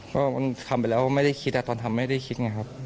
ก็มันทำไปแล้วไม่ได้คิดตอนทำไม่ได้คิดไงครับ